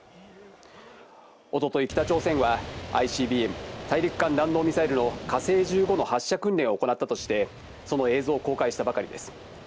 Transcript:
一昨日、北朝鮮はＩＣＢＭ＝大陸間弾道ミサイルの「火星１５」の発射訓練を行ったとして、その映像を公開したばかりです。